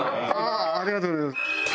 ありがとうございます。